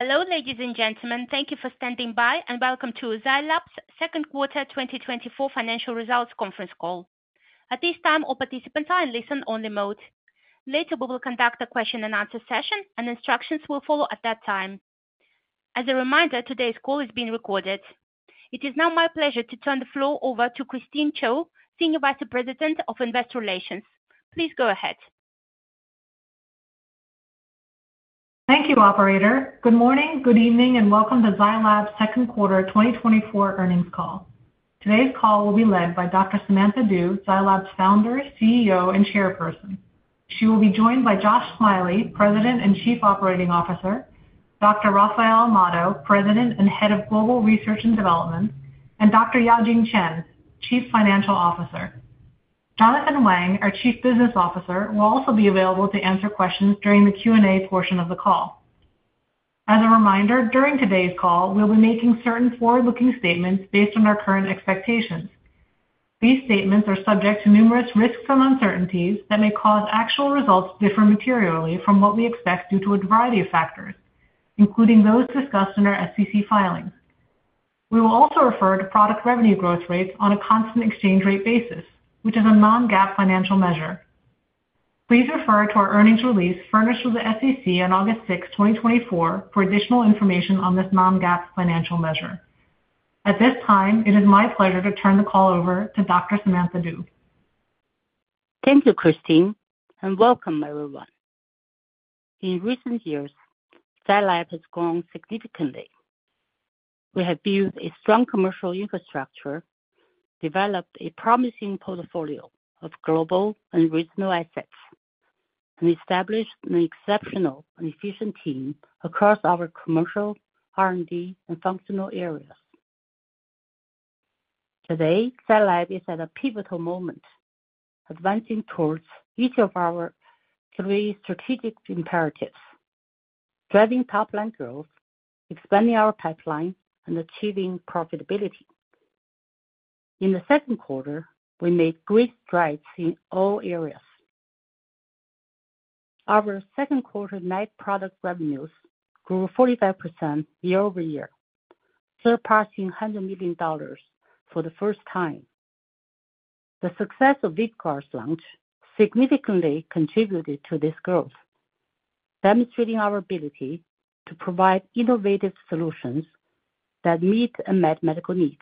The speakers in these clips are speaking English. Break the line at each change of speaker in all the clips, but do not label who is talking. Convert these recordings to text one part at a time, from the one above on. Hello, ladies and gentlemen. Thank you for standing by, and welcome to Zai Lab's second quarter 2024 financial results conference call. At this time, all participants are in listen-only mode. Later, we will conduct a question-and-answer session, and instructions will follow at that time. As a reminder, today's call is being recorded. It is now my pleasure to turn the floor over to Christine Chiou, Senior Vice President of Investor Relations. Please go ahead.
Thank you, operator. Good morning, good evening, and welcome to Zai Lab's second quarter 2024 earnings call. Today's call will be led by Dr. Samantha Du, Zai Lab's founder, CEO, and chairperson. She will be joined by Josh Smiley, President and Chief Operating Officer, Dr. Rafael Amado, President and Head of Global Research and Development, and Dr. Yajing Chen, Chief Financial Officer. Jonathan Wang, our Chief Business Officer, will also be available to answer questions during the Q&A portion of the call. As a reminder, during today's call, we'll be making certain forward-looking statements based on our current expectations. These statements are subject to numerous risks and uncertainties that may cause actual results to differ materially from what we expect, due to a variety of factors, including those discussed in our SEC filings. We will also refer to product revenue growth rates on a constant exchange rate basis, which is a non-GAAP financial measure. Please refer to our earnings release furnished with the SEC on August 6, 2024, for additional information on this non-GAAP financial measure. At this time, it is my pleasure to turn the call over to Dr. Samantha Du.
Thank you, Christine, and welcome, everyone. In recent years, Zai Lab has grown significantly. We have built a strong commercial infrastructure, developed a promising portfolio of global and regional assets, and established an exceptional and efficient team across our commercial, R&D, and functional areas. Today, Zai Lab is at a pivotal moment, advancing towards each of our three strategic imperatives: driving top-line growth, expanding our pipeline, and achieving profitability. In the second quarter, we made great strides in all areas. Our second quarter net product revenues grew 45% year-over-year, surpassing $100 million for the first time. The success of VYVGART's launch significantly contributed to this growth, demonstrating our ability to provide innovative solutions that meet unmet medical needs.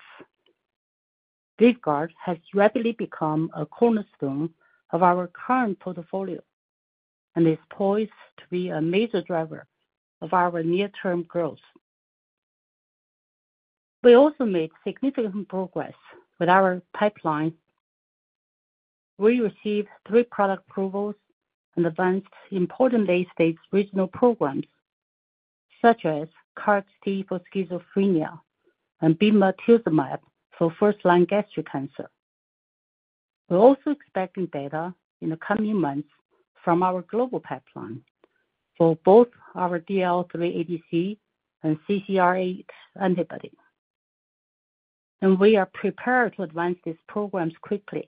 VYVGART has rapidly become a cornerstone of our current portfolio and is poised to be a major driver of our near-term growth. We also made significant progress with our pipeline. We received three product approvals and advanced important late-stage regional programs, such as KarXT for schizophrenia and bemarituzumab for first-line gastric cancer. We're also expecting data in the coming months from our global pipeline for both our DLL3 ADC and CCR8 antibody, and we are prepared to advance these programs quickly.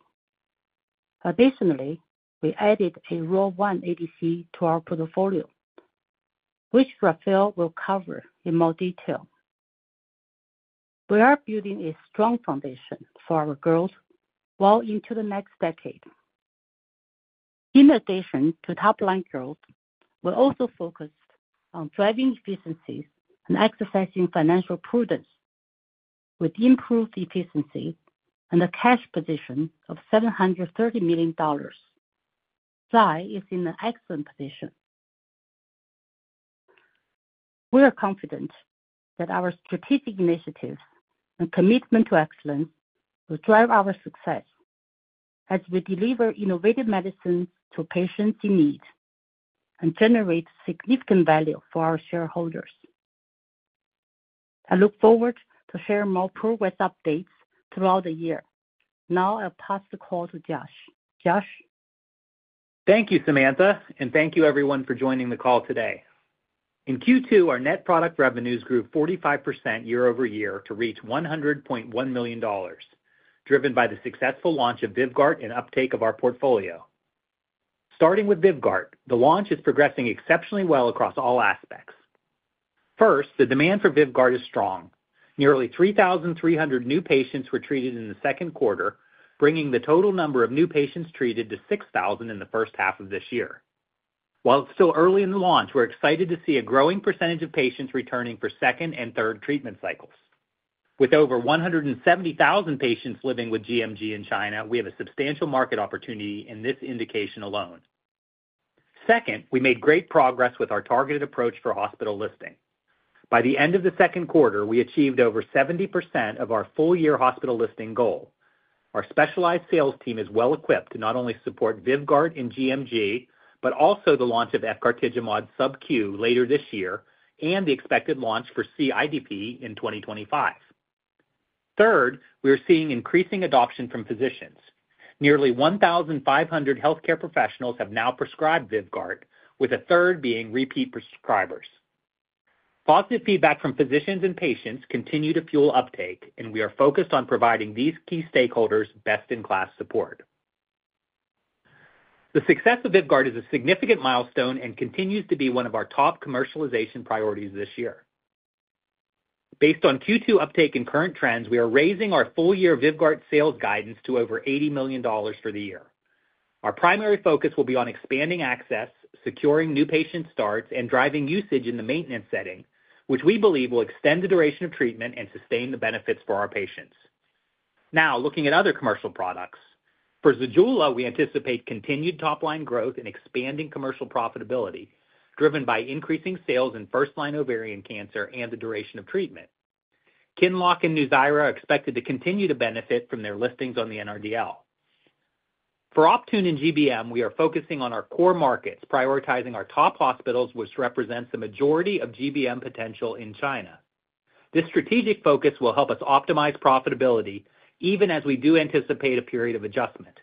Additionally, we added a ROR1 ADC to our portfolio, which Rafael will cover in more detail. We are building a strong foundation for our growth well into the next decade. In addition to top-line growth, we're also focused on driving efficiencies and exercising financial prudence. With improved efficiency and a cash position of $730 million, Zai is in an excellent position. We are confident that our strategic initiatives and commitment to excellence will drive our success as we deliver innovative medicines to patients in need and generate significant value for our shareholders. I look forward to share more progress updates throughout the year. Now I'll pass the call to Josh. Josh?
Thank you, Samantha, and thank you everyone for joining the call today. In Q2, our net product revenues grew 45% year-over-year to reach $101 million, driven by the successful launch of VYVGART and uptake of our portfolio. Starting with VYVGART, the launch is progressing exceptionally well across all aspects. First, the demand for VYVGART is strong. Nearly 3,300 new patients were treated in the second quarter, bringing the total number of new patients treated to 6,000 in the first half of this year. While it's still early in the launch, we're excited to see a growing percentage of patients returning for second and third treatment cycles. With over 170,000 patients living with gMG in China, we have a substantial market opportunity in this indication alone. Second, we made great progress with our targeted approach for hospital listing. By the end of the second quarter, we achieved over 70% of our full-year hospital listing goal. Our specialized sales team is well equipped to not only support VYVGART and gMG, but also the launch of efgartigimod subQ later this year and the expected launch for CIDP in 2025. Third, we are seeing increasing adoption from physicians. Nearly 1,500 healthcare professionals have now prescribed VYVGART, with a third being repeat prescribers. Positive feedback from physicians and patients continue to fuel uptake, and we are focused on providing these key stakeholders best-in-class support. The success of VYVGART is a significant milestone and continues to be one of our top commercialization priorities this year. Based on Q2 uptake and current trends, we are raising our full-year VYVGART sales guidance to over $80 million for the year. Our primary focus will be on expanding access, securing new patient starts, and driving usage in the maintenance setting, which we believe will extend the duration of treatment and sustain the benefits for our patients. Now, looking at other commercial products. For ZEJULA, we anticipate continued top-line growth and expanding commercial profitability, driven by increasing sales in first-line ovarian cancer and the duration of treatment. QINLOCK and NUZYRA are expected to continue to benefit from their listings on the NRDL. For OPTUNE in GBM, we are focusing on our core markets, prioritizing our top hospitals, which represents the majority of GBM potential in China. This strategic focus will help us optimize profitability, even as we do anticipate a period of adjustment.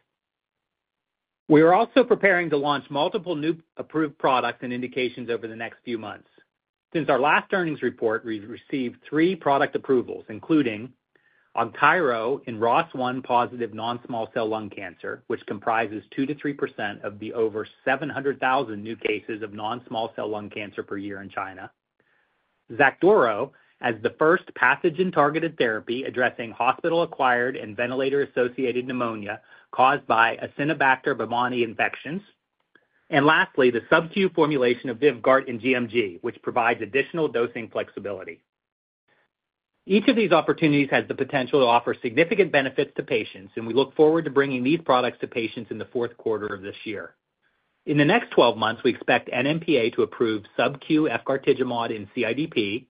We are also preparing to launch multiple new approved products and indications over the next few months. Since our last earnings report, we've received 3 product approvals, including AUGTYRO in ROS1-positive non-small cell lung cancer, which comprises 2%-3% of the over 700,000 new cases of non-small cell lung cancer per year in China. XACDURO, as the first pathogen-targeted therapy addressing hospital-acquired and ventilator-associated pneumonia caused by Acinetobacter baumannii infections. And lastly, the subcu formulation of VYVGART in gMG, which provides additional dosing flexibility. Each of these opportunities has the potential to offer significant benefits to patients, and we look forward to bringing these products to patients in the fourth quarter of this year. In the next 12 months, we expect NMPA to approve subcu efgartigimod in CIDP,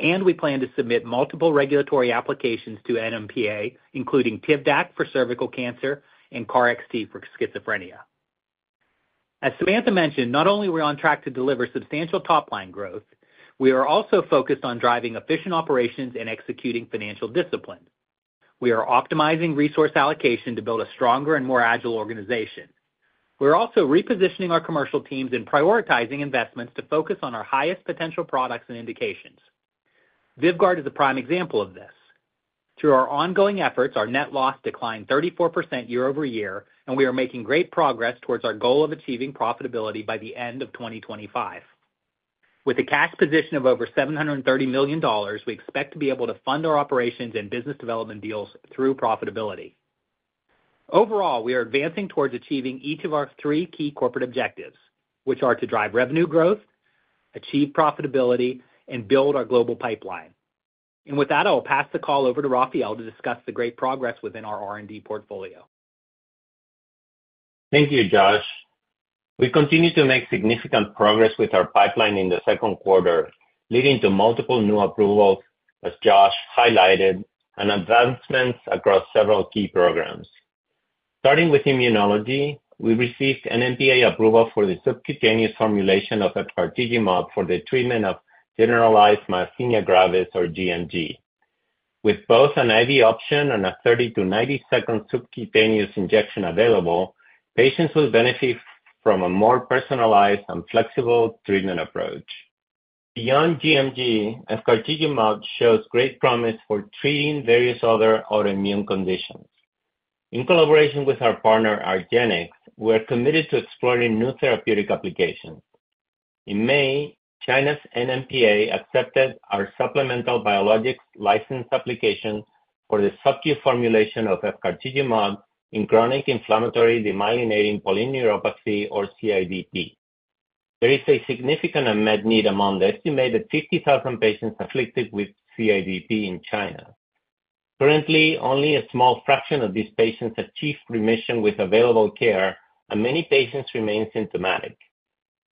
and we plan to submit multiple regulatory applications to NMPA, including TIVDAK for cervical cancer and KarXT for schizophrenia. As Samantha mentioned, not only are we on track to deliver substantial top-line growth, we are also focused on driving efficient operations and executing financial discipline. We are optimizing resource allocation to build a stronger and more agile organization. We're also repositioning our commercial teams and prioritizing investments to focus on our highest potential products and indications. VYVGART is a prime example of this. Through our ongoing efforts, our net loss declined 34% year-over-year, and we are making great progress towards our goal of achieving profitability by the end of 2025. With a cash position of over $730 million, we expect to be able to fund our operations and business development deals through profitability. Overall, we are advancing towards achieving each of our three key corporate objectives, which are to drive revenue growth, achieve profitability, and build our global pipeline. With that, I'll pass the call over to Rafael to discuss the great progress within our R&D portfolio.
Thank you, Josh. We continue to make significant progress with our pipeline in the second quarter, leading to multiple new approvals, as Josh highlighted, and advancements across several key programs. Starting with immunology, we received NMPA approval for the subcutaneous formulation of efgartigimod for the treatment of generalized myasthenia gravis, or gMG. With both an IV option and a 30- to 90-second subcutaneous injection available, patients will benefit from a more personalized and flexible treatment approach. Beyond gMG, efgartigimod shows great promise for treating various other autoimmune conditions. In collaboration with our partner, argenx, we are committed to exploring new therapeutic applications. In May, China's NMPA accepted our supplemental biologics license application for the subcu formulation of efgartigimod in chronic inflammatory demyelinating polyneuropathy, or CIDP. There is a significant unmet need among the estimated 50,000 patients afflicted with CIDP in China. Currently, only a small fraction of these patients achieve remission with available care, and many patients remain symptomatic.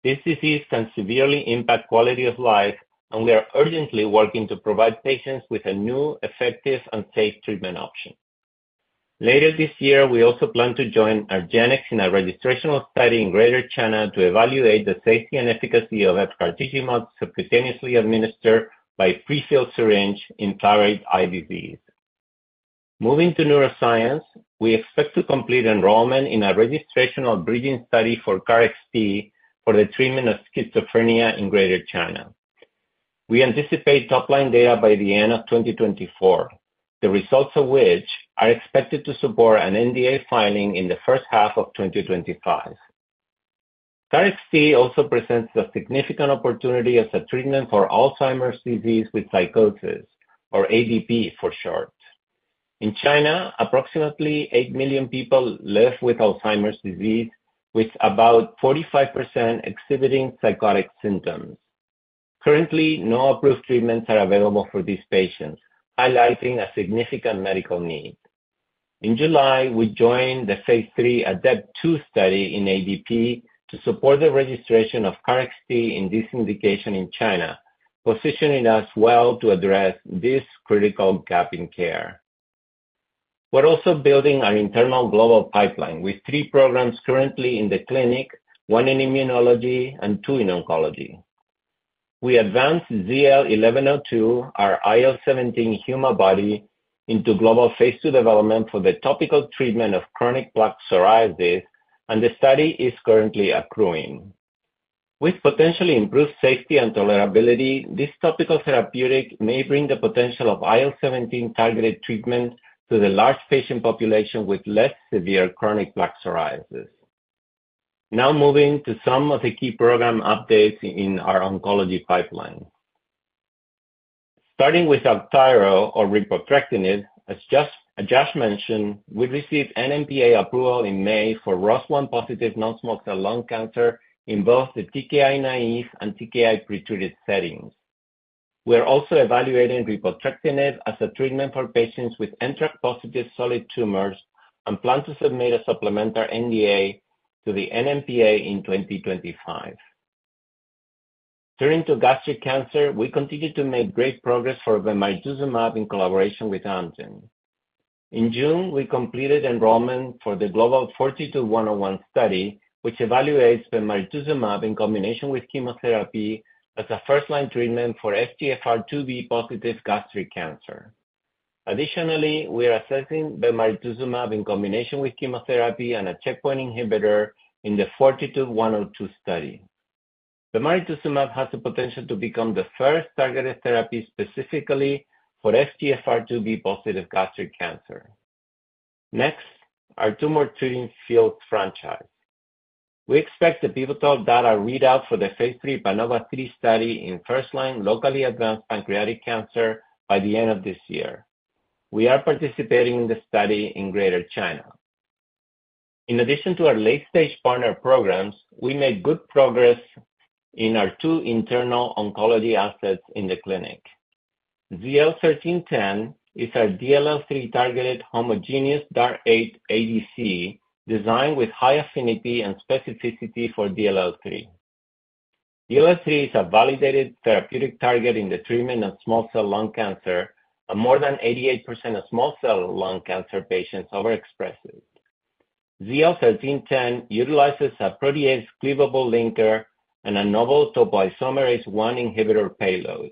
This disease can severely impact quality of life, and we are urgently working to provide patients with a new, effective, and safe treatment option. Later this year, we also plan to join argenx in a registrational study in Greater China to evaluate the safety and efficacy of efgartigimod subcutaneously administered by prefilled syringe in CIDP. Moving to neuroscience, we expect to complete enrollment in a registrational bridging study for KarXT for the treatment of schizophrenia in Greater China. We anticipate top-line data by the end of 2024, the results of which are expected to support an NDA filing in the first half of 2025. KarXT also presents a significant opportunity as a treatment for Alzheimer's disease with psychosis, or ADP for short. In China, approximately 8 million people live with Alzheimer's disease, with about 45% exhibiting psychotic symptoms. Currently, no approved treatments are available for these patients, highlighting a significant medical need. In July, we joined the phase III ADEPT-2 study in ADP to support the registration of KarXT in this indication in China, positioning us well to address this critical gap in care. We're also building our internal global pipeline with three programs currently in the clinic, one in immunology and two in oncology. We advanced ZL-1102, our IL-17 antibody, into global phase 2 development for the topical treatment of chronic plaque psoriasis, and the study is currently accruing. With potentially improved safety and tolerability, this topical therapeutic may bring the potential of IL-17 targeted treatment to the large patient population with less severe chronic plaque psoriasis. Now moving to some of the key program updates in our oncology pipeline. Starting with AUGTYRO or repotrectinib, as Josh mentioned, we received NMPA approval in May for ROS1-positive non-small cell lung cancer in both the TKI-naïve and TKI-pretreated settings. We are also evaluating repotrectinib as a treatment for patients with NTRK-positive solid tumors, and plan to submit a supplemental NDA to the NMPA in 2025. Turning to gastric cancer, we continue to make great progress for bemarituzumab in collaboration with Amgen. In June, we completed enrollment for the global FORTITUDE-101 study, which evaluates bemarituzumab in combination with chemotherapy as a first-line treatment for FGFR2b-positive gastric cancer. Additionally, we are assessing bemarituzumab in combination with chemotherapy and a checkpoint inhibitor in the FORTITUDE-102 study. Bemarituzumab has the potential to become the first targeted therapy specifically for FGFR2b-positive gastric cancer. Next, our Tumor Treating Fields franchise. We expect the pivotal data readout for the phase III PANOVA-3 study in first-line locally advanced pancreatic cancer by the end of this year. We are participating in the study in Greater China. In addition to our late-stage partner programs, we made good progress in our two internal oncology assets in the clinic. ZL-1310 is our DLL3-targeted homogeneous DAR8 ADC, designed with high affinity and specificity for DLL3. DLL3 is a validated therapeutic target in the treatment of small cell lung cancer, and more than 88% of small cell lung cancer patients overexpress it. ZL-1310 utilizes a protease-cleavable linker and a novel topoisomerase one inhibitor payload.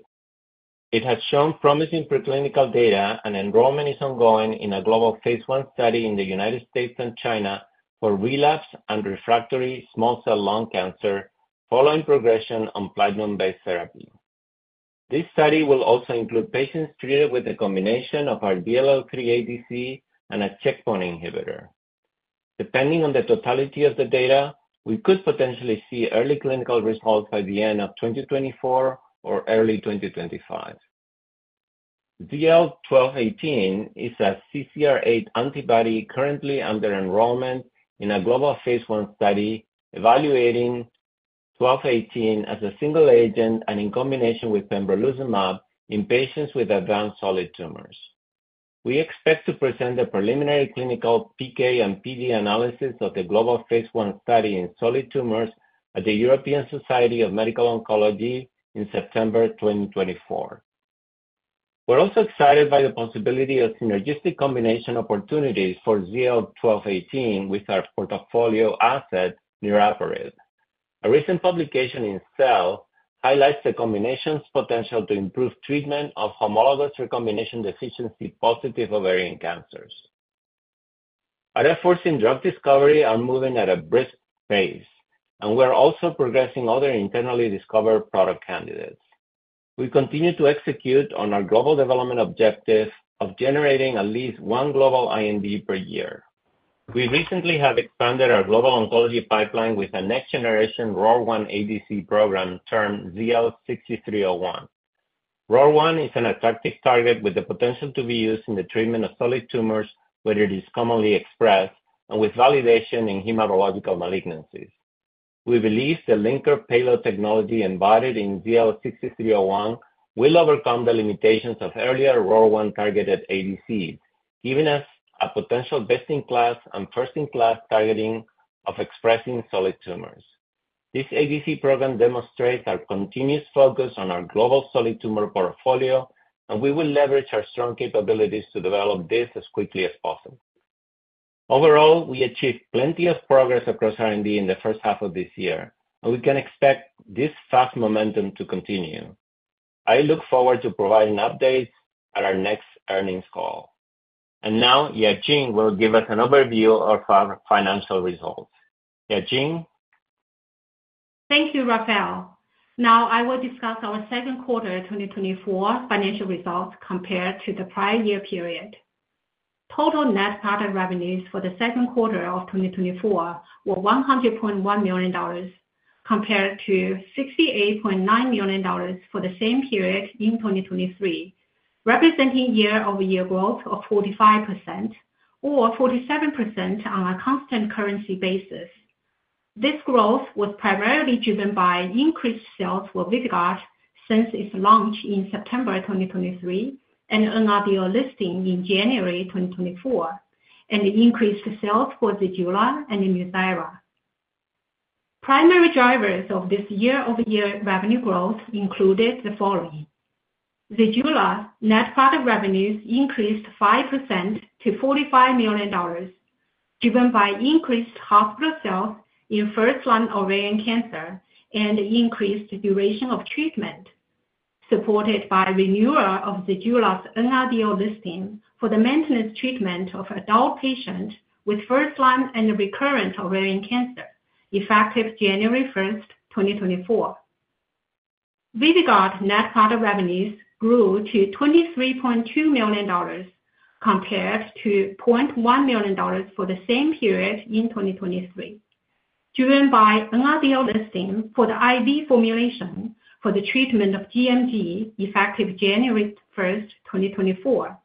It has shown promising preclinical data, and enrollment is ongoing in a global phase II study in the United States and China for relapse and refractory small cell lung cancer following progression on platinum-based therapy. This study will also include patients treated with a combination of our DLL3 ADC and a checkpoint inhibitor. Depending on the totality of the data, we could potentially see early clinical results by the end of 2024 or early 2025. ZL-1218 is a CCR8 antibody currently under enrollment in a global phase II study, evaluating 1218 as a single agent and in combination with pembrolizumab in patients with advanced solid tumors. We expect to present the preliminary clinical PK and PD analysis of the global phase II study in solid tumors at the European Society of Medical Oncology in September 2024. We're also excited by the possibility of synergistic combination opportunities for ZL-1218 with our portfolio asset, niraparib. A recent publication in Cell highlights the combination's potential to improve treatment of homologous recombination deficiency-positive ovarian cancers. Our efforts in drug discovery are moving at a brisk pace, and we are also progressing other internally discovered product candidates. We continue to execute on our global development objective of generating at least one global IND per year. We recently have expanded our global oncology pipeline with a next-generation ROR1 ADC program termed ZL-6301. ROR1 is an attractive target with the potential to be used in the treatment of solid tumors, where it is commonly expressed and with validation in hematological malignancies. We believe the linker payload technology embodied in ZL-6301 will overcome the limitations of earlier ROR1-targeted ADCs, giving us a potential best-in-class and first-in-class targeting of ROR1-expressing solid tumors. This ADC program demonstrates our continuous focus on our global solid tumor portfolio, and we will leverage our strong capabilities to develop this as quickly as possible. Overall, we achieved plenty of progress across R&D in the first half of this year, and we can expect this fast momentum to continue. I look forward to providing updates at our next earnings call. And now, Yajing will give us an overview of our financial results. Yajing?
Thank you, Rafael. Now I will discuss our second quarter 2024 financial results compared to the prior year period. Total net product revenues for the second quarter of 2024 were $100.1 million, compared to $68.9 million for the same period in 2023, representing year-over-year growth of 45%, or 47% on a constant currency basis. This growth was primarily driven by increased sales for VYVGART since its launch in September 2023, and another listing in January 2024, and increased sales for ZEJULA and NUZYRA. Primary drivers of this year-over-year revenue growth included the following: ZEJULA net product revenues increased 5% to $45 million, driven by increased hospital sales in first-line ovarian cancer and increased duration of treatment.... supported by renewal of ZEJULA's NRDL listing for the maintenance treatment of adult patients with first-line and recurrent ovarian cancer, effective January 1, 2024. VYVGART net product revenues grew to $23.2 million compared to $0.1 million for the same period in 2023, driven by NRDL listing for the IV formulation for the treatment of gMG, effective January 1, 2024,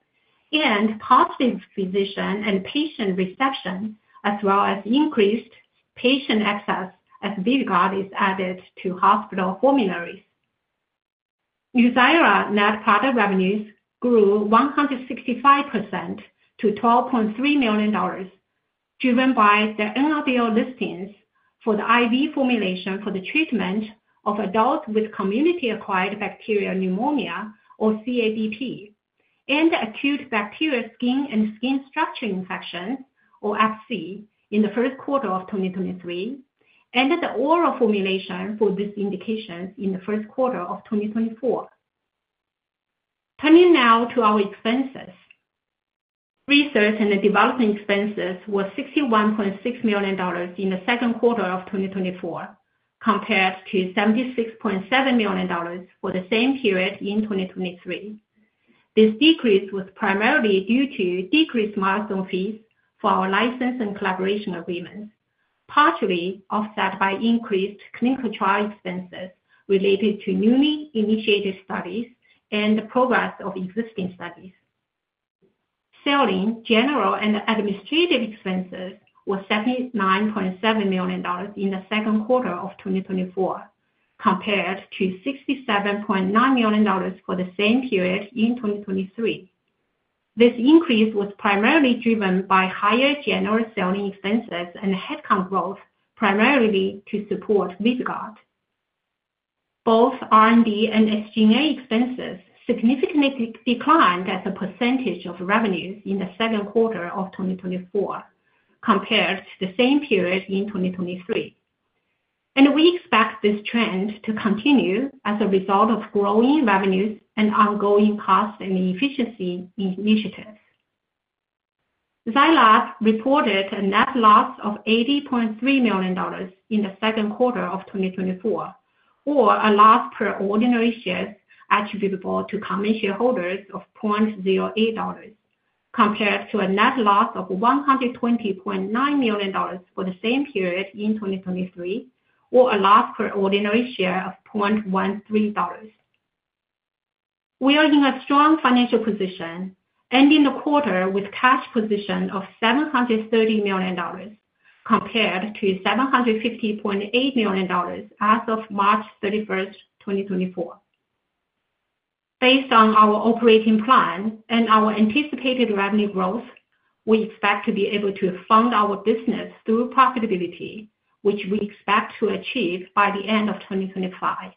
and positive physician and patient reception, as well as increased patient access as VYVGART is added to hospital formularies. NUZYRA net product revenues grew 165% to $12.3 million, driven by the NRDL listings for the IV formulation for the treatment of adults with community-acquired bacterial pneumonia, or CABP, and acute bacterial skin and skin structure infection, or ABSI, in the first quarter of 2023, and the oral formulation for this indication in the first quarter of 2024. Turning now to our expenses. Research and development expenses were $61.6 million in the second quarter of 2024, compared to $76.7 million for the same period in 2023. This decrease was primarily due to decreased milestone fees for our license and collaboration agreements, partially offset by increased clinical trial expenses related to newly initiated studies and the progress of existing studies. Selling, general, and administrative expenses were $79.7 million in the second quarter of 2024, compared to $67.9 million for the same period in 2023. This increase was primarily driven by higher general selling expenses and headcount growth, primarily to support VYVGART. Both R&D and SG&A expenses significantly declined as a percentage of revenues in the second quarter of 2024 compared to the same period in 2023. We expect this trend to continue as a result of growing revenues and ongoing cost and efficiency initiatives. Lab reported a net loss of $80.3 million in the second quarter of 2024, or a loss per ordinary shares attributable to common shareholders of $0.08, compared to a net loss of $120.9 million for the same period in 2023, or a loss per ordinary share of $0.13. We are in a strong financial position, ending the quarter with cash position of $730 million, compared to $750.8 million as of March 31, 2024. Based on our operating plan and our anticipated revenue growth, we expect to be able to fund our business through profitability, which we expect to achieve by the end of 2025.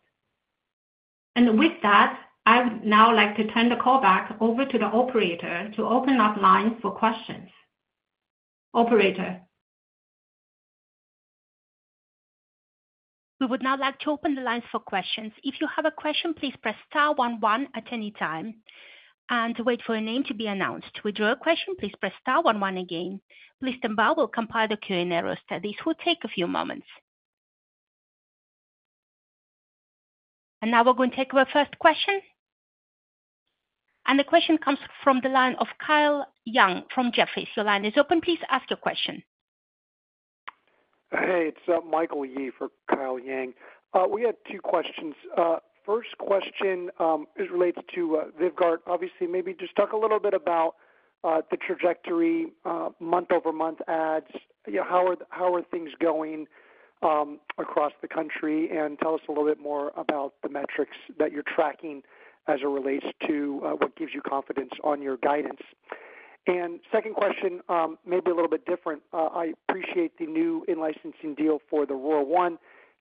With that, I would now like to turn the call back over to the operator to open up lines for questions. Operator?
We would now like to open the lines for questions. If you have a question, please press star one one at any time and wait for your name to be announced. To withdraw a question, please press star one one again. Please stand by. We'll compile the Q&A roster. This will take a few moments. Now we're going to take our first question. The question comes from the line of Kyle Yang from Jefferies. Your line is open. Please ask your question.
Hey, it's Michael Yee for Kyle Yang. We had two questions. First question is related to VYVGART, obviously. Maybe just talk a little bit about the trajectory, month-over-month adds. You know, how are things going across the country? And tell us a little bit more about the metrics that you're tracking as it relates to what gives you confidence on your guidance. And second question, maybe a little bit different. I appreciate the new in-licensing deal for the ROR1.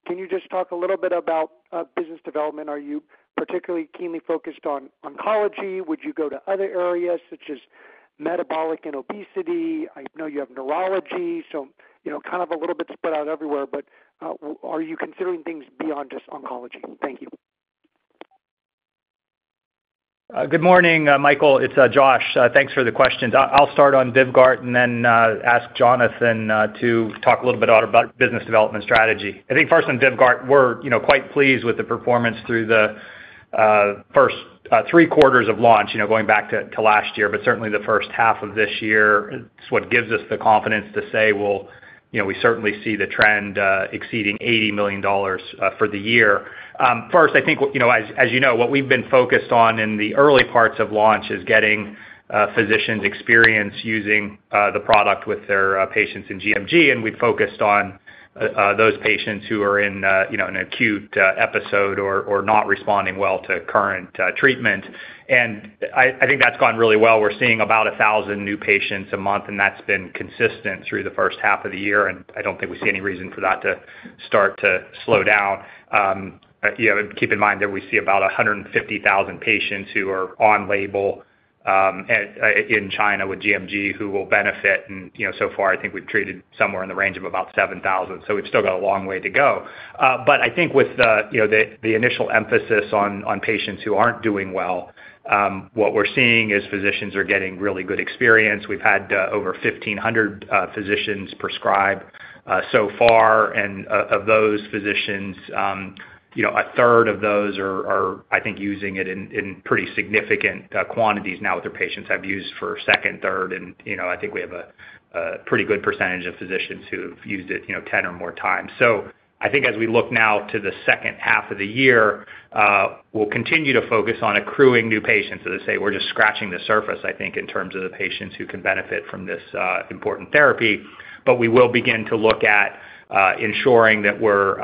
Can you just talk a little bit about business development? Are you particularly keenly focused on oncology? Would you go to other areas such as metabolic and obesity? I know you have neurology, so you know, kind of a little bit spread out everywhere, but are you considering things beyond just oncology? Thank you.
Good morning, Michael. It's Josh. Thanks for the questions. I'll start on VYVGART and then ask Jonathan to talk a little bit about business development strategy. I think first, on VYVGART, we're, you know, quite pleased with the performance through the first three quarters of launch, you know, going back to last year, but certainly the first half of this year. It's what gives us the confidence to say, well, you know, we certainly see the trend exceeding $80 million for the year. First, I think, you know, as, as you know, what we've been focused on in the early parts of launch is getting physicians' experience using the product with their patients in gMG, and we've focused on those patients who are in, you know, an acute episode or not responding well to current treatment. And I think that's gone really well. We're seeing about 1,000 new patients a month, and that's been consistent through the first half of the year, and I don't think we see any reason for that to start to slow down. You know, keep in mind that we see about 150,000 patients who are on label... In China with gMG, who will benefit, and, you know, so far, I think we've treated somewhere in the range of about 7,000, so we've still got a long way to go. But I think with the, you know, the initial emphasis on patients who aren't doing well, what we're seeing is physicians are getting really good experience. We've had over 1,500 physicians prescribe so far, and of those physicians, you know, a third of those are, I think, using it in pretty significant quantities now with their patients, have used for second, third, and, you know, I think we have a pretty good percentage of physicians who've used it, you know, 10 or more times. So I think as we look now to the second half of the year, we'll continue to focus on accruing new patients. As I say, we're just scratching the surface, I think, in terms of the patients who can benefit from this, important therapy. But we will begin to look at, ensuring that we're,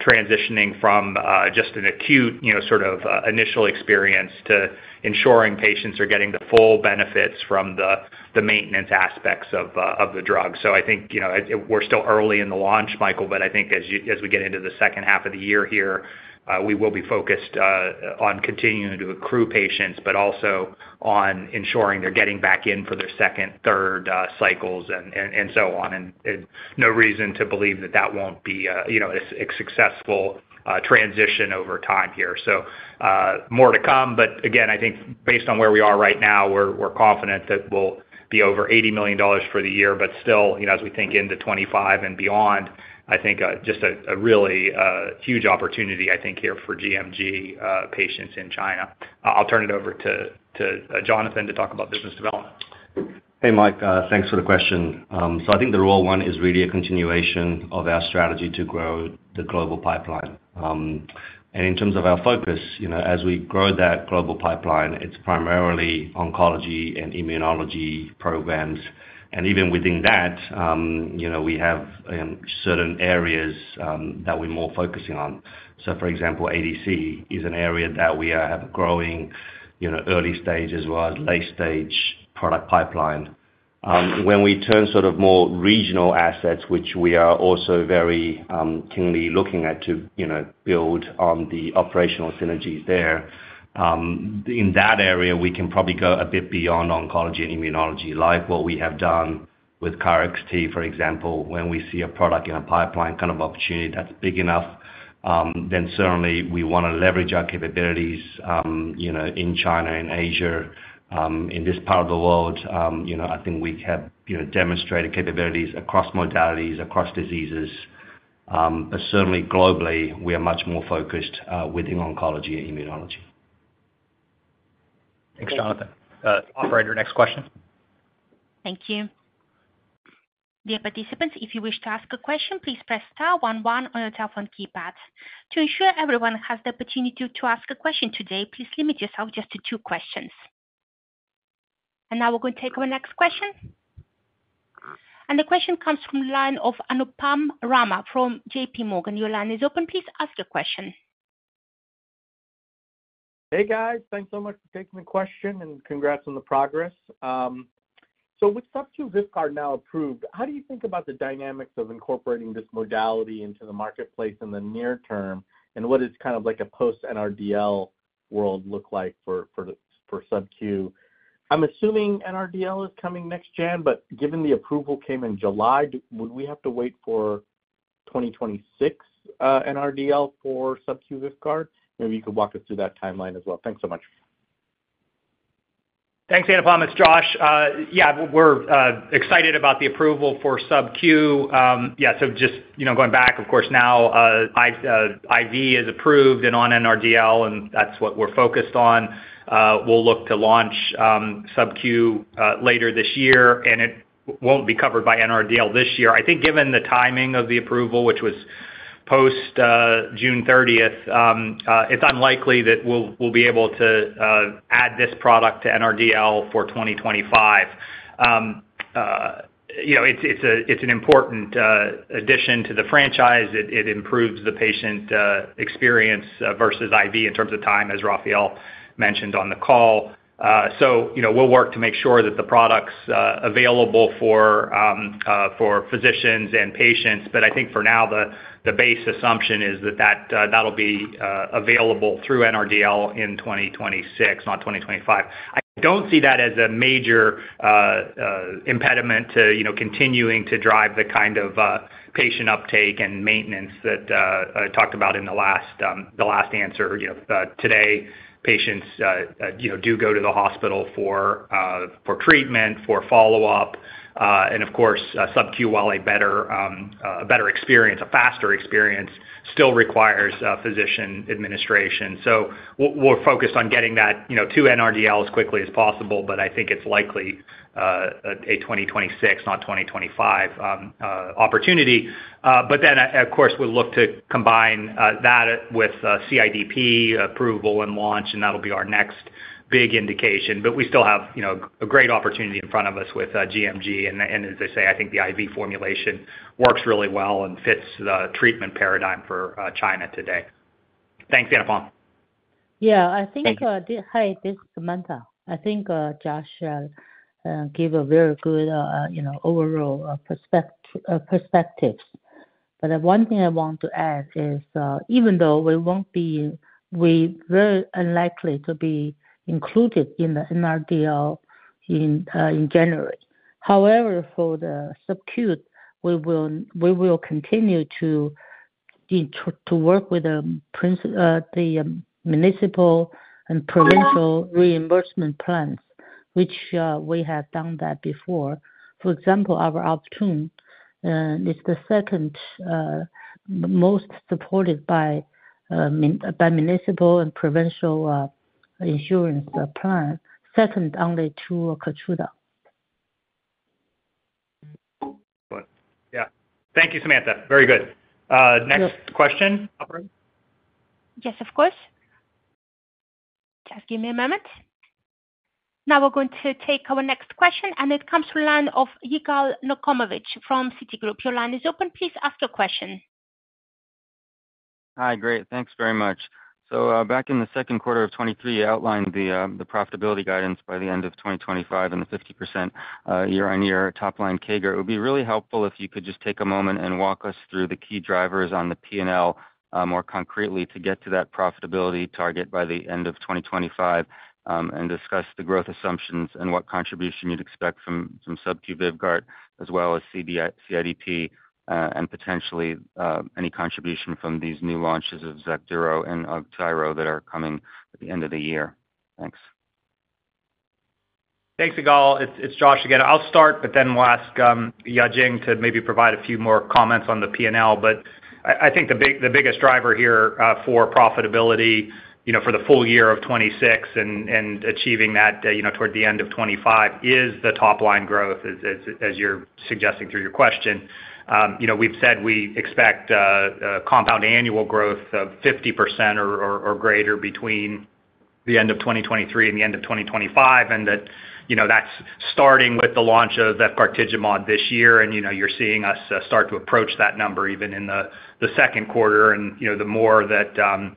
transitioning from, just an acute, you know, sort of, initial experience to ensuring patients are getting the full benefits from the, the maintenance aspects of, of the drug. So I think, you know, we're still early in the launch, Michael, but I think as you—as we get into the second half of the year here, we will be focused, on continuing to accrue patients, but also on ensuring they're getting back in for their second, third, cycles and, and, and so on. And no reason to believe that that won't be, you know, a successful transition over time here. So, more to come, but again, I think based on where we are right now, we're confident that we'll be over $80 million for the year, but still, you know, as we think into 2025 and beyond, I think just a really huge opportunity, I think here for gMG patients in China. I'll turn it over to Jonathan to talk about business development.
Hey, Mike, thanks for the question. So I think the role one is really a continuation of our strategy to grow the global pipeline. And in terms of our focus, you know, as we grow that global pipeline, it's primarily oncology and immunology programs, and even within that, you know, we have certain areas that we're more focusing on. So for example, ADC is an area that we are have growing, you know, early stage as well as late stage product pipeline. When we turn sort of more regional assets, which we are also very keenly looking at to, you know, build on the operational synergies there, in that area, we can probably go a bit beyond oncology and immunology, like what we have done with KarXT, for example. When we see a product in a pipeline kind of opportunity that's big enough, then certainly we wanna leverage our capabilities, you know, in China and Asia, in this part of the world. You know, I think we have, you know, demonstrated capabilities across modalities, across diseases, but certainly globally, we are much more focused, within oncology and immunology.
Thanks, Jonathan. Operator, next question.
Thank you. Dear participants, if you wish to ask a question, please press star one one on your telephone keypad. To ensure everyone has the opportunity to ask a question today, please limit yourself just to two questions. Now we're going to take our next question. The question comes from the line of Anupam Rama from J.P. Morgan. Your line is open. Please ask the question.
Hey, guys. Thanks so much for taking the question, and congrats on the progress. So with subQ VYVGART now approved, how do you think about the dynamics of incorporating this modality into the marketplace in the near term? And what is kind of like a post-NRDL world look like for the subQ? I'm assuming NRDL is coming next gen, but given the approval came in July, would we have to wait for 2026 NRDL for subQ VYVGART? Maybe you could walk us through that timeline as well. Thanks so much.
Thanks, Anupam. It's Josh. Yeah, we're excited about the approval for subQ. Yeah, so just, you know, going back, of course, now, IV is approved and on NRDL, and that's what we're focused on. We'll look to launch subQ later this year, and it won't be covered by NRDL this year. I think given the timing of the approval, which was post June thirtieth, it's unlikely that we'll be able to add this product to NRDL for 2025. You know, it's an important addition to the franchise. It improves the patient experience versus IV in terms of time, as Rafael mentioned on the call. So, you know, we'll work to make sure that the product's available for physicians and patients, but I think for now, the base assumption is that that'll be available through NRDL in 2026, not 2025. I don't see that as a major impediment to, you know, continuing to drive the kind of patient uptake and maintenance that I talked about in the last, the last answer. You know, today, patients, you know, do go to the hospital for treatment, for follow-up, and of course, subQ, while a better, a better experience, a faster experience, still requires physician administration. So we're focused on getting that, you know, to NRDL as quickly as possible, but I think it's likely a 2026, not 2025, opportunity. But then, of course, we'll look to combine that with CIDP approval and launch, and that'll be our next big indication. But we still have, you know, a great opportunity in front of us with gMG, and as I say, I think the IV formulation works really well and fits the treatment paradigm for China today. Thanks, Anupam.
Yeah, I think,
Thank you.
Hi, this is Samantha. I think, Josh, gave a very good, you know, overall, perspective. But the one thing I want to add is, even though we won't be, we very unlikely to be included in the NRDL in January. However, for the subcu, we will continue to work with the municipal and provincial reimbursement plans, which we have done that before. For example, our Optune is the second most supported by municipal and provincial insurance plan, second only to Keytruda.
What? Yeah. Thank you, Samantha. Very good. Next question, operator?
Yes, of course. Just give me a moment. Now we're going to take our next question, and it comes from the line of Yigal Nochomovitz from Citigroup. Your line is open. Please ask your question.
Hi. Great. Thanks very much. So, back in the second quarter of 2023, you outlined the profitability guidance by the end of 2025 and the 50% year-on-year top line CAGR. It would be really helpful if you could just take a moment and walk us through the key drivers on the P&L more concretely to get to that profitability target by the end of 2025, and discuss the growth assumptions and what contribution you'd expect from subcu VYVGART as well as CIDP, and potentially any contribution from these new launches of XACDURO and of AUGTYRO that are coming at the end of the year. Thanks.
Thanks, Yigal. It's Josh again. I'll start, but then we'll ask Yajing to maybe provide a few more comments on the P&L. But I think the biggest driver here for profitability, you know, for the full year of 2026 and achieving that, you know, toward the end of 2025, is the top line growth, as you're suggesting through your question. You know, we've said we expect a compound annual growth of 50% or greater between the end of 2023 and the end of 2025, and that, you know, that's starting with the launch of efgartigimod this year. And, you know, you're seeing us start to approach that number even in the second quarter. You know, the more that efgartigimod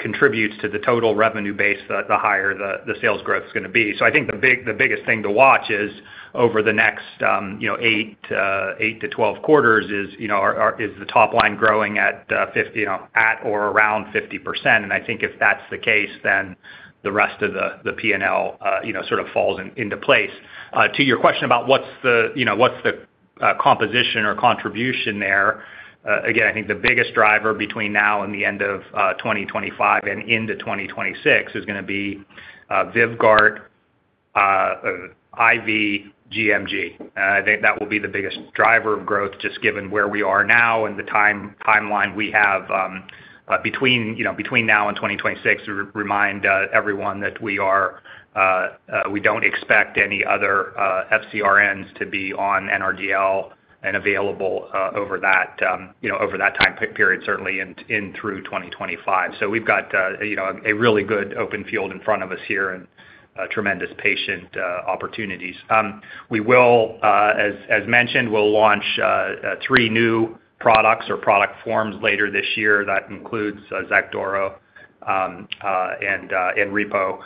contributes to the total revenue base, the higher the sales growth is gonna be. So I think the biggest thing to watch is over the next, you know, eight-12 quarters, you know, is the top line growing at, you know, at or around 50%? And I think if that's the case, then the rest of the P&L, you know, sort of falls into place. To your question about what's the, you know, what's the composition or contribution there, again, I think the biggest driver between now and the end of 2025 and into 2026 is gonna be VYVGART IV gMG. I think that will be the biggest driver of growth, just given where we are now and the timeline we have, you know, between now and 2026. Remind everyone that we are, we don't expect any other FcRNs to be on NRDL and available, you know, over that time period, certainly through 2025. So we've got, you know, a really good open field in front of us here and tremendous patient opportunities. We will, as mentioned, we'll launch three new products or product forms later this year. That includes XACDURO and AUGTYRO.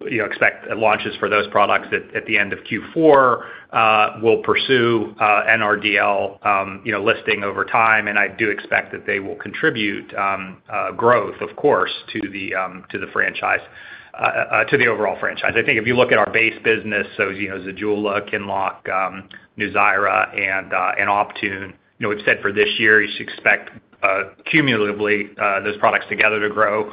You know, expect launches for those products at the end of Q4. We'll pursue NRDL, you know, listing over time, and I do expect that they will contribute growth, of course, to the franchise, to the overall franchise. I think if you look at our base business, so, you know, ZEJULA, QINLOCK, NUZYRA, and Optune, you know, we've said for this year, you should expect cumulatively those products together to grow,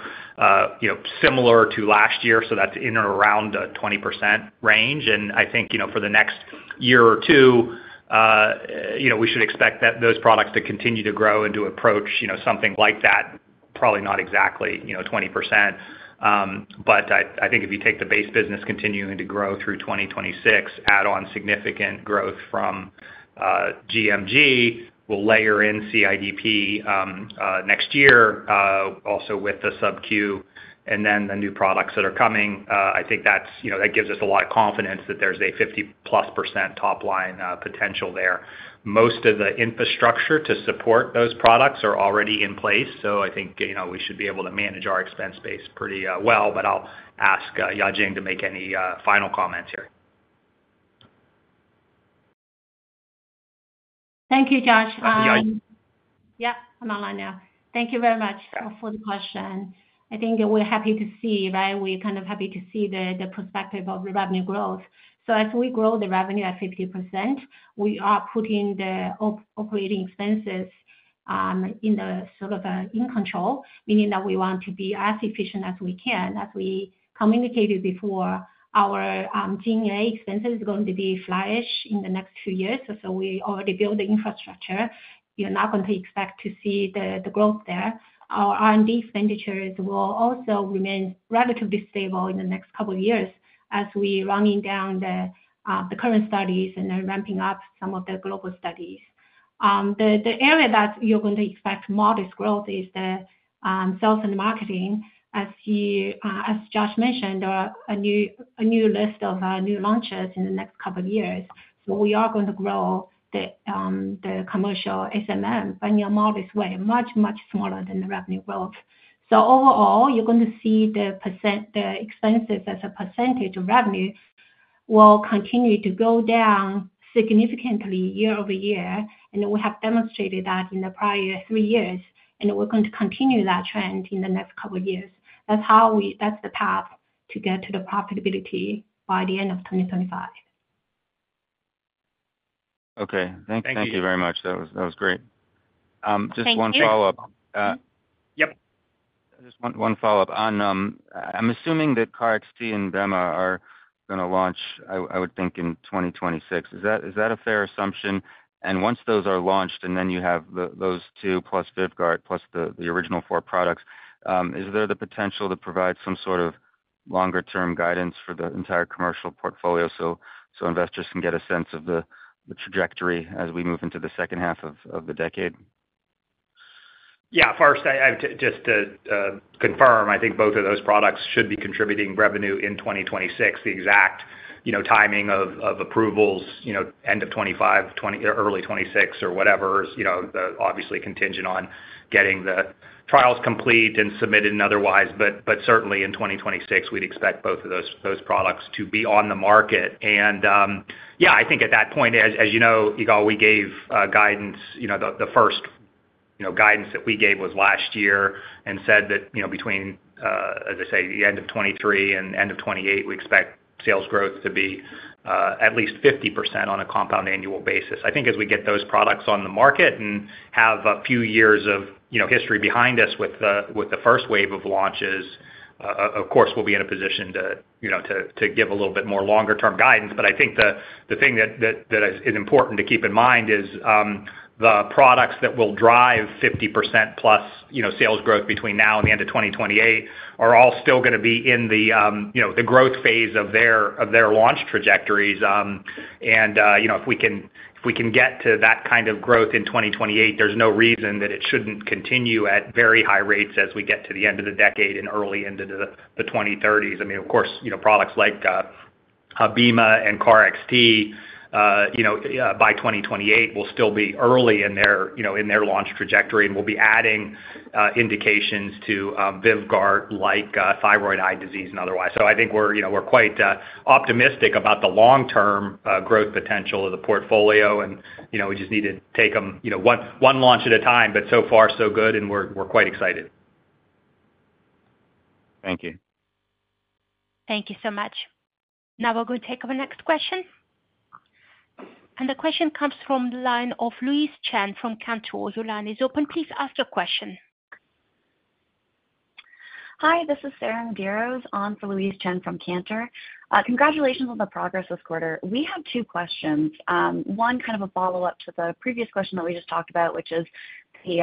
you know, similar to last year, so that's in or around the 20% range. And I think, you know, for the next year or two, you know, we should expect that those products to continue to grow and to approach, you know, something like that, probably not exactly, you know, 20%. But I, I think if you take the base business continuing to grow through 2026, add on significant growth from gMG, we'll layer in CIDP next year, also with the subQ and then the new products that are coming, I think that's, you know, that gives us a lot of confidence that there's a 50%+ top line potential there. Most of the infrastructure to support those products are already in place, so I think, you know, we should be able to manage our expense base pretty well, but I'll ask Yajing to make any final comments here.
Thank you, Josh.
Yajing.
Yeah, I'm online now. Thank you very much for the question. I think we're happy to see, right, we're kind of happy to see the perspective of revenue growth. So as we grow the revenue at 50%, we are putting the operating expenses in the sort of in control, meaning that we want to be as efficient as we can. As we communicated before, our G&A expenses are going to be flat-ish in the next two years, so we already built the infrastructure. You're not going to expect to see the growth there. Our R&D expenditures will also remain relatively stable in the next couple of years as we're running down the current studies and then ramping up some of the global studies. The area that you're going to expect modest growth is the sales and marketing. As you as Josh mentioned, there are a new list of new launches in the next couple of years. So we are going to grow the commercial S&M in a modest way, much, much smaller than the revenue growth. So overall, you're going to see the percent, the expenses as a percentage of revenue will continue to go down significantly year-over-year, and we have demonstrated that in the prior three years, and we're going to continue that trend in the next couple of years. That's the path to get to the profitability by the end of 2025.
Okay.
Thank you.
Thank you very much. That was, that was great.
Thank you.
Just one follow-up.
Yep.
Just one, one follow-up. On, I'm assuming that KarXT and Bema are gonna launch, I, I would think, in 2026. Is that, is that a fair assumption? And once those are launched, and then you have those two plus VYVGART, plus the, the original four products, is there the potential to provide some sort of longer-term guidance for the entire commercial portfolio so, so investors can get a sense of the, the trajectory as we move into the second half of, of the decade?
Yeah. First, I just to confirm, I think both of those products should be contributing revenue in 2026. The exact, you know, timing of approvals, you know, end of 2025, early 2026 or whatever is, you know, the obviously contingent on getting the trials complete and submitted and otherwise. But certainly in 2026, we'd expect both of those products to be on the market. And yeah, I think at that point, as you know, Yigal, we gave guidance, you know, the first guidance that we gave was last year and said that, you know, between, as I say, the end of 2023 and end of 2028, we expect sales growth to be at least 50% on a compound annual basis. I think as we get those products on the market and have a few years of, you know, history behind us with the first wave of launches, of course, we'll be in a position to, you know, to give a little bit more longer-term guidance. But I think the thing that is important to keep in mind is the products that will drive 50% plus, you know, sales growth between now and the end of 2028, are all still gonna be in the, you know, the growth phase of their launch trajectories. And, you know, if we can get to that kind of growth in 2028, there's no reason that it shouldn't continue at very high rates as we get to the end of the decade and early into the 2030s. I mean, of course, you know, products like Bema and KarXT, you know, by 2028, will still be early in their, you know, in their launch trajectory, and we'll be adding indications to VYVGART, like thyroid eye disease and otherwise. So I think we're, you know, we're quite optimistic about the long-term growth potential of the portfolio, and, you know, we just need to take them, you know, one, one launch at a time. But so far, so good, and we're, we're quite excited.
Thank you.
Thank you so much. Now we're going to take our next question. The question comes from the line of Louise Chen from Cantor. Your line is open. Please ask your question.
Hi, this is Sarah Medeiros on for Louise Chen from Cantor. Congratulations on the progress this quarter. We have two questions. One, kind of a follow-up to the previous question that we just talked about, which is the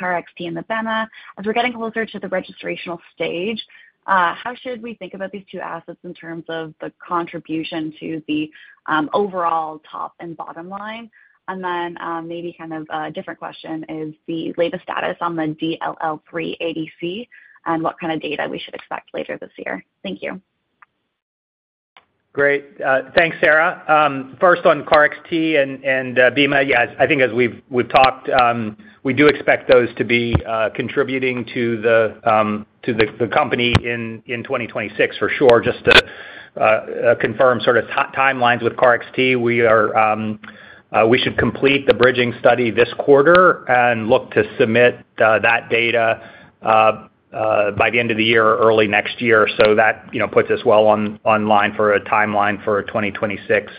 KarXT and the Bema. As we're getting closer to the registrational stage, how should we think about these two assets in terms of the contribution to the overall top and bottom line? And then, maybe kind of a different question, is the latest status on the DLL3 ADC, and what kind of data we should expect later this year? Thank you.
Great. Thanks, Sarah. First on KarXT and Bema, yeah, I think as we've talked, we do expect those to be contributing to the company in 2026, for sure. Just to confirm sort of timelines with KarXT, we should complete the bridging study this quarter and look to submit that data by the end of the year or early next year. So that, you know, puts us well online for a timeline for a 2026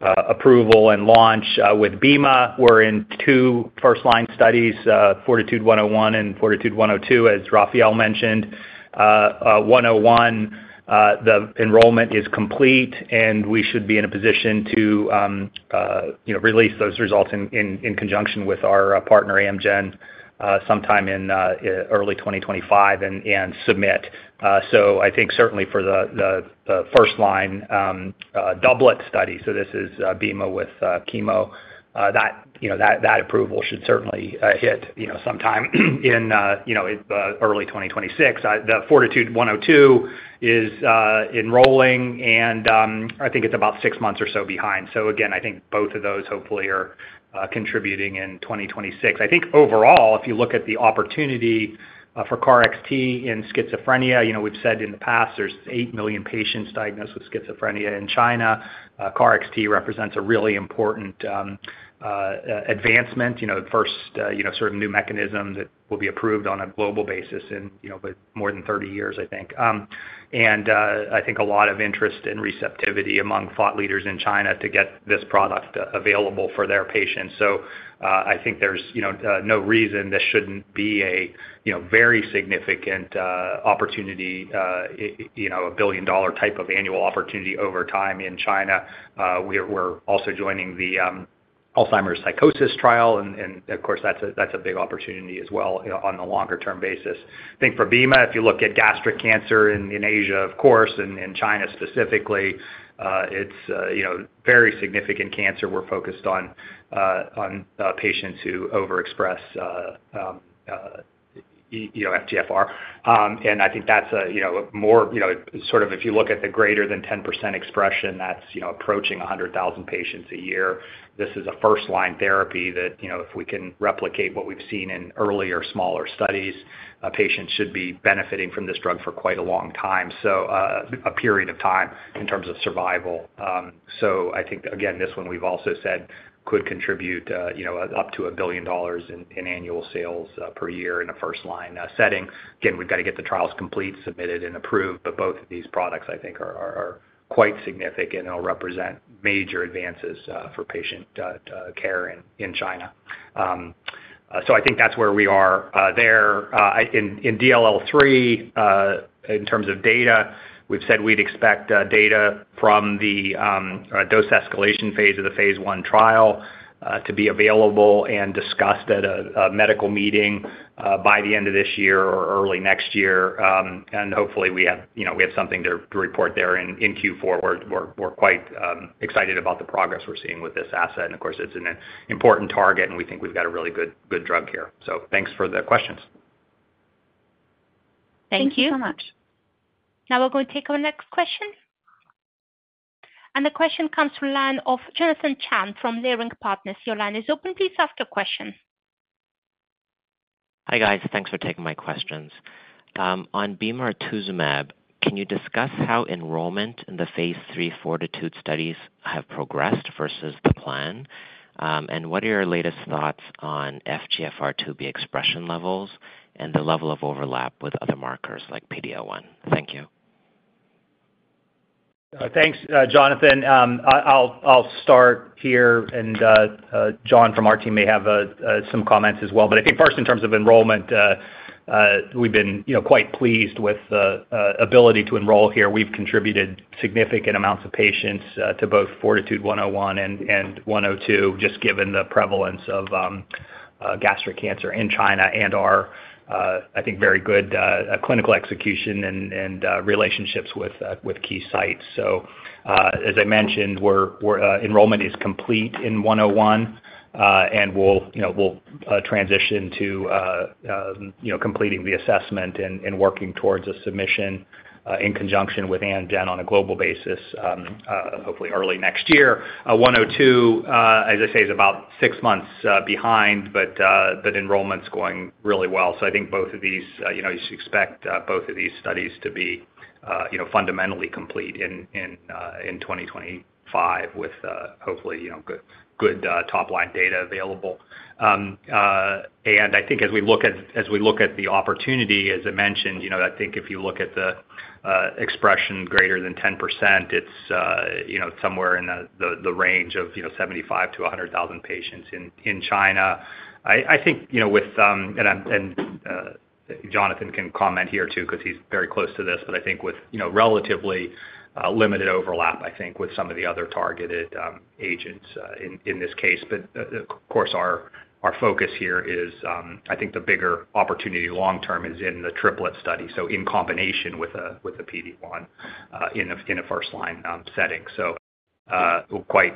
approval and launch. With Bema, we're in two first-line studies, FORTITUDE-101 and FORTITUDE-102, as Rafael mentioned. 101, the enrollment is complete, and we should be in a position to, you know, release those results in conjunction with our partner, Amgen, sometime in early 2025 and submit. So I think certainly for the first-line doublet study, so this is Bema with chemo, that you know, that approval should certainly hit, you know, sometime in early 2026. The FORTITUDE-102 is enrolling, and I think it's about 6 months or so behind. So again, I think both of those hopefully are contributing in 2026. I think overall, if you look at the opportunity for KarXT in schizophrenia, you know, we've said in the past, there's eight million patients diagnosed with schizophrenia in China. KarXT represents a really important, advancement, you know, the first, you know, sort of new mechanism that will be approved on a global basis in, you know, but more than 30 years, I think. And, I think a lot of interest and receptivity among thought leaders in China to get this product, available for their patients. So, I think there's, you know, no reason this shouldn't be a, you know, very significant, opportunity, you know, a billion-dollar type of annual opportunity over time in China. We're also joining the, Alzheimer's psychosis trial, and of course, that's a, that's a big opportunity as well, you know, on a longer-term basis. I think for Bema, if you look at gastric cancer in Asia, of course, and in China specifically, it's you know, very significant cancer. We're focused on patients who overexpress you know, FGFR. And I think that's a you know, more you know, sort of if you look at the greater than 10% expression, that's you know, approaching 100,000 patients a year. This is a first-line therapy that you know, if we can replicate what we've seen in earlier, smaller studies, patients should be benefiting from this drug for quite a long time. So a period of time in terms of survival. So I think, again, this one we've also said could contribute you know, up to $1 billion in annual sales per year in a first-line setting. Again, we've got to get the trials complete, submitted, and approved, but both of these products, I think, are quite significant and will represent major advances for patient care in China. So I think that's where we are there. In DLL3, in terms of data, we've said we'd expect data from the dose escalation phase of the phase II trial to be available and discussed at a medical meeting by the end of this year or early next year. And hopefully, we have, you know, we have something to report there in Q4. We're quite excited about the progress we're seeing with this asset. And of course, it's an important target, and we think we've got a really good drug here. Thanks for the questions.
Thank you.
Thank you so much. Now we're going to take our next question. The question comes from line of Jonathan Chan from Leerink Partners. Your line is open. Please ask your question.
Hi, guys. Thanks for taking my questions. On bemarituzumab, can you discuss how enrollment in the phase III FORTITUDE studies have progressed versus the plan? And what are your latest thoughts on FGFR2b expression levels and the level of overlap with other markers like PD-L1? Thank you.
Thanks, Jonathan. I'll start here, and John from our team may have some comments as well. But I think first in terms of enrollment, we've been, you know, quite pleased with the ability to enroll here. We've contributed significant amounts of patients to both FORTITUDE-101 and 102, just given the prevalence of gastric cancer in China and our, I think, very good clinical execution and relationships with key sites. So, as I mentioned, enrollment is complete in 101, and we'll, you know, transition to completing the assessment and working towards a submission in conjunction with Amgen on a global basis, hopefully early next year. 102, as I say, is about six months behind, but, but enrollment's going really well. So I think both of these, you know, you should expect, both of these studies to be, you know, fundamentally complete in, in, in 2025 with, hopefully, you know, good, good, top-line data available. And I think as we look at, as we look at the opportunity, as I mentioned, you know, I think if you look at the, expression greater than 10%, it's, you know, somewhere in the, the, the range of, you know, 75,000-100,000 patients in, in China. I think, you know, Jonathan can comment here, too, because he's very close to this, but I think with, you know, relatively limited overlap, I think, with some of the other targeted agents in this case. But of course, our focus here is, I think the bigger opportunity long term is in the triplet study, so in combination with a PD-1 in a first line setting. So we're quite,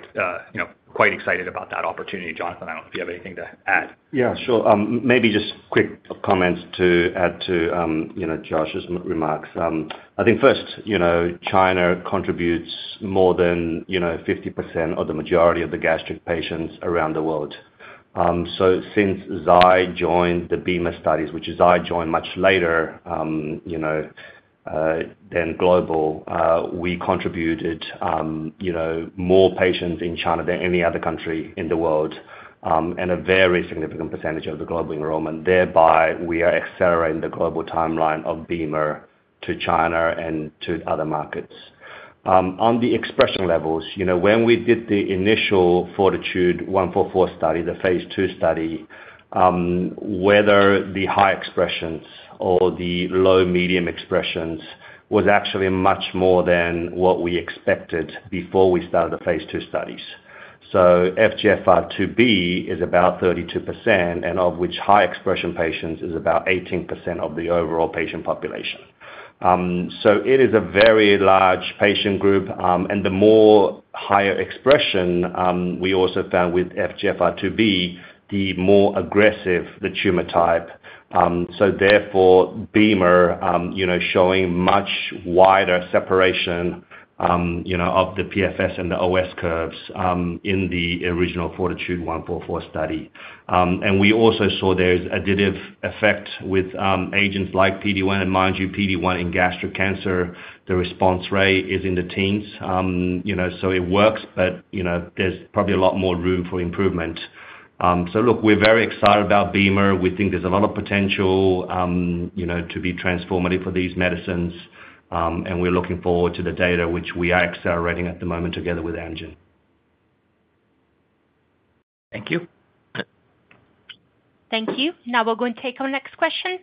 you know, quite excited about that opportunity. Jonathan, I don't know if you have anything to add.
Yeah, sure. Maybe just quick comments to add to, you know, Josh's remarks. I think first, you know, China contributes more than, you know, 50% or the majority of the gastric patients around the world. So since Zai joined the bema studies, which Zai joined much later, you know, than global, we contributed, you know, more patients in China than any other country in the world, and a very significant percentage of the global enrollment. Thereby, we are accelerating the global timeline of bema to China and to other markets. On the expression levels, you know, when we did the initial FORTITUDE-144 study, the phase 2 study, whether the high expressions or the low, medium expressions was actually much more than what we expected before we started the phase 2 studies. So FGFR2b is about 32%, and of which high expression patients is about 18% of the overall patient population. So it is a very large patient group, and the more higher expression, we also found with FGFR2b, the more aggressive the tumor type. So therefore, bema, you know, showing much wider separation, you know, of the PFS and the OS curves, in the original FORTITUDE-144 study. And we also saw there's additive effect with, agents like PD-1, and mind you, PD-1 in gastric cancer, the response rate is in the teens. You know, so it works, but, you know, there's probably a lot more room for improvement. So look, we're very excited about bema. We think there's a lot of potential, you know, to be transformative for these medicines. We're looking forward to the data, which we are accelerating at the moment together with Amgen.
Thank you.
Thank you. Now we're going to take our next question.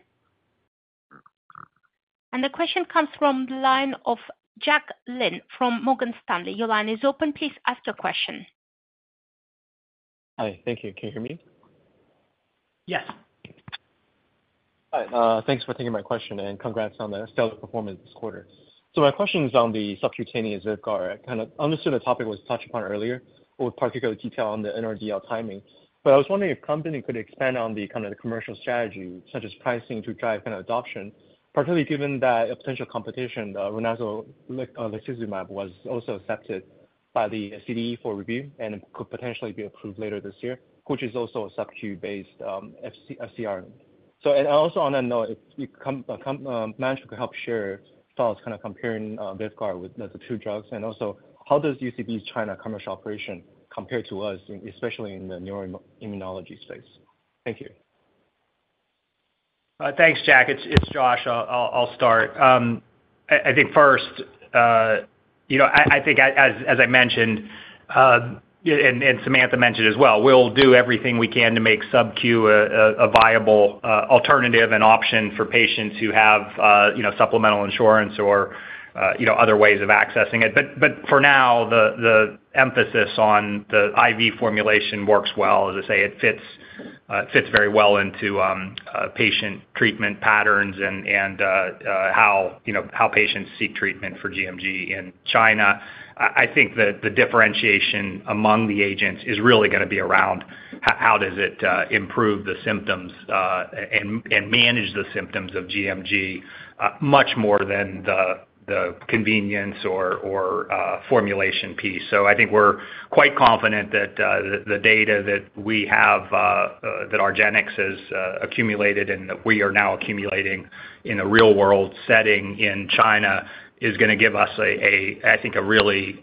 The question comes from the line of Jack Lin from Morgan Stanley. Your line is open. Please ask your question.
Hi. Thank you. Can you hear me?
Yes.
Hi, thanks for taking my question, and congrats on the sales performance this quarter. So my question is on the subcutaneous VYVGART—understood the topic was touched upon earlier with particular detail on the NRDL timing. But I was wondering if company could expand on the kind of the commercial strategy, such as pricing, to drive kind of adoption, particularly given that a potential competition, the rozanolixizumab, was also accepted by the CDE for review and could potentially be approved later this year, which is also a subcu-based, um, FcRn. So and I also want to know if you management could help share thoughts, kind of comparing, uh, VYVGART Hytrulo with the two drugs. And also, how does UCB's China commercial operation compare to us, especially in the neuroimmunology space? Thank you....
Thanks, Jack. It's Josh. I'll start. I think first, you know, I think as I mentioned, and Samantha mentioned as well, we'll do everything we can to make subQ a viable alternative and option for patients who have, you know, supplemental insurance or, you know, other ways of accessing it. But for now, the emphasis on the IV formulation works well. As I say, it fits very well into patient treatment patterns and how, you know, how patients seek treatment for gMG in China. I think the differentiation among the agents is really gonna be around how does it improve the symptoms and manage the symptoms of gMG much more than the convenience or formulation piece. So I think we're quite confident that the data that we have that argenx has accumulated and that we are now accumulating in a real-world setting in China is gonna give us a I think a really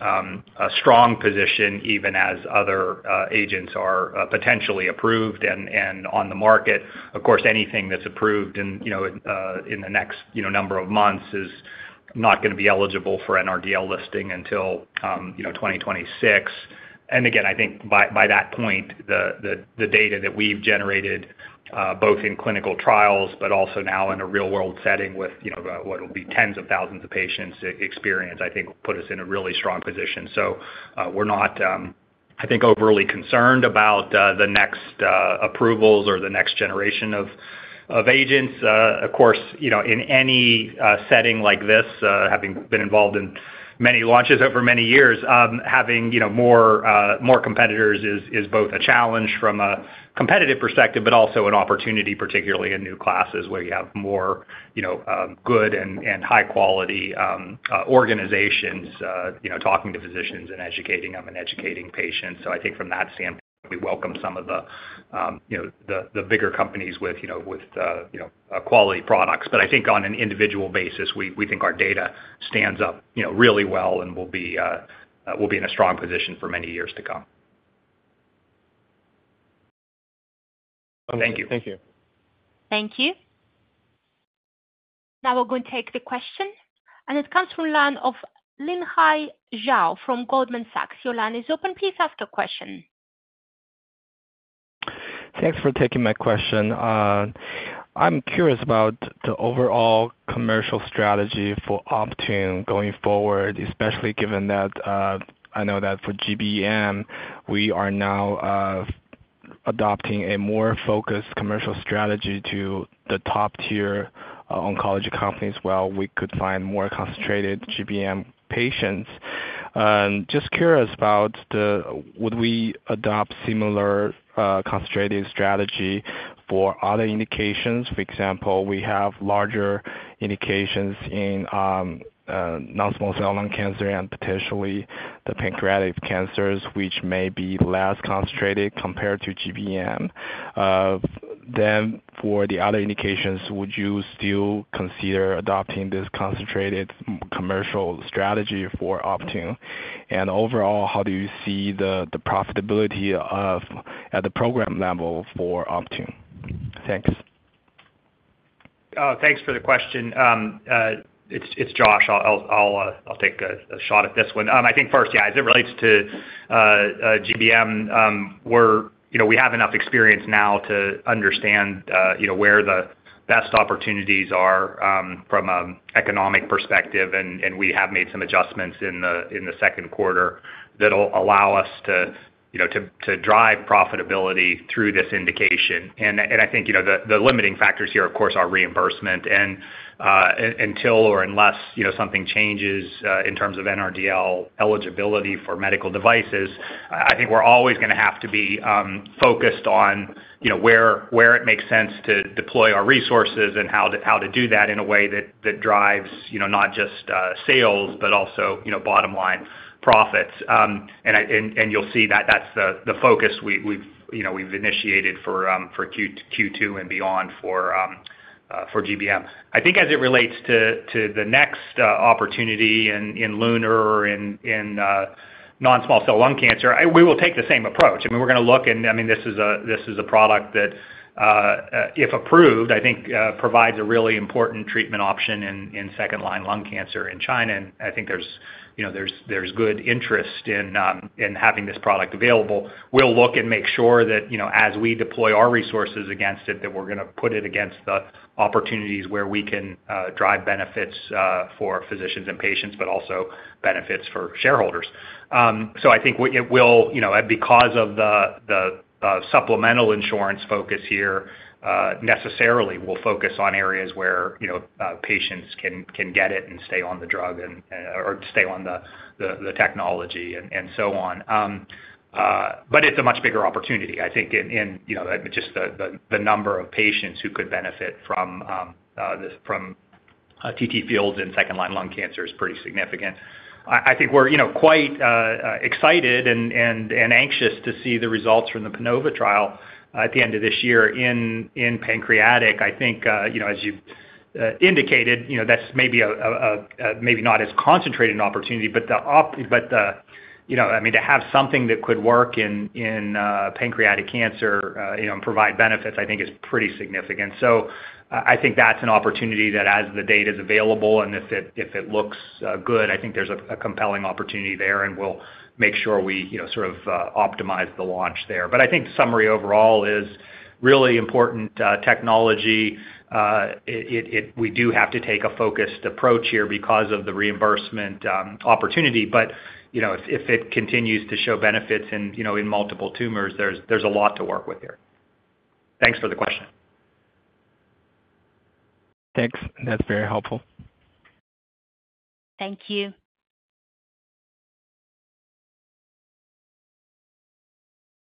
strong position, even as other agents are potentially approved and on the market. Of course, anything that's approved and you know in the next you know number of months is not gonna be eligible for NRDL listing until you know 2026. Again, I think by that point, the data that we've generated, both in clinical trials but also now in a real-world setting with, you know, what will be tens of thousands of patients experience, I think will put us in a really strong position. So, we're not, I think, overly concerned about the next approvals or the next generation of agents. Of course, you know, in any setting like this, having been involved in many launches over many years, having, you know, more competitors is both a challenge from a competitive perspective, but also an opportunity, particularly in new classes, where you have more, you know, good and high quality organizations, you know, talking to physicians and educating them and educating patients. So I think from that standpoint, we welcome some of the, you know, the bigger companies with, you know, quality products. But I think on an individual basis, we think our data stands up, you know, really well and we'll be in a strong position for many years to come. Thank you.
Thank you.
Thank you. Now we're going to take the question, and it comes from line of Linhai Zhao from Goldman Sachs. Your line is open. Please ask your question.
Thanks for taking my question. I'm curious about the overall commercial strategy for Optune going forward, especially given that, I know that for GBM, we are now adopting a more focused commercial strategy to the top-tier oncology companies, where we could find more concentrated GBM patients. Just curious about. Would we adopt similar concentrated strategy for other indications? For example, we have larger indications in non-small cell lung cancer and potentially the pancreatic cancers, which may be less concentrated compared to GBM. Then for the other indications, would you still consider adopting this concentrated commercial strategy for Optune? And overall, how do you see the profitability of the program level for Optune? Thanks.
Thanks for the question. It's Josh. I'll take a shot at this one. I think first, yeah, as it relates to GBM, we're... You know, we have enough experience now to understand, you know, where the best opportunities are, from an economic perspective, and we have made some adjustments in the second quarter that'll allow us to, you know, to drive profitability through this indication. And I think, you know, the limiting factors here, of course, are reimbursement. Until or unless, you know, something changes in terms of NRDL eligibility for medical devices, I think we're always gonna have to be focused on, you know, where it makes sense to deploy our resources and how to do that in a way that drives, you know, not just sales, but also, you know, bottom-line profits. You'll see that that's the focus we've, you know, initiated for Q2 and beyond for GBM. I think as it relates to the next opportunity in lung or in non-small cell lung cancer, we will take the same approach. I mean, we're gonna look and... I mean, this is a, this is a product that, if approved, I think, provides a really important treatment option in, in second-line lung cancer in China. And I think there's, you know, good interest in having this product available. We'll look and make sure that, you know, as we deploy our resources against it, that we're gonna put it against the opportunities where we can, drive benefits, for physicians and patients, but also benefits for shareholders. So I think it will, you know, because of the, the, supplemental insurance focus here, necessarily will focus on areas where, you know, patients can get it and stay on the drug and, or stay on the, the, the technology and, and so on. But it's a much bigger opportunity, I think, in you know, just the number of patients who could benefit from this, from TTFields in second-line lung cancer is pretty significant. I think we're you know, quite excited and anxious to see the results from the PANOVA trial at the end of this year in pancreatic. I think you know, as you've indicated, you know, that's maybe a maybe not as concentrated an opportunity, but the op- but the... You know, I mean, to have something that could work in pancreatic cancer you know, and provide benefits, I think is pretty significant. So I think that's an opportunity that as the data is available and if it looks good, I think there's a compelling opportunity there, and we'll make sure we, you know, sort of, optimize the launch there. But I think summary overall is really important technology. It we do have to take a focused approach here because of the reimbursement opportunity. But, you know, if it continues to show benefits and, you know, in multiple tumors, there's a lot to work with here. Thanks for the question.
Thanks. That's very helpful.
Thank you.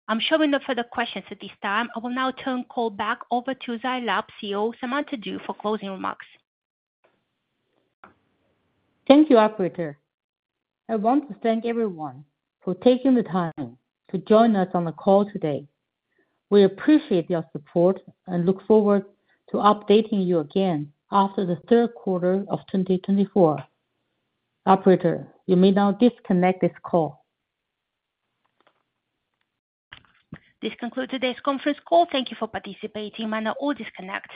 I'm showing no further questions at this time. I will now turn the call back over to Zai Lab's CEO, Samantha Du, for closing remarks.
Thank you, operator. I want to thank everyone for taking the time to join us on the call today. We appreciate your support and look forward to updating you again after the third quarter of 2024. Operator, you may now disconnect this call.
This concludes today's conference call. Thank you for participating, and now all disconnect.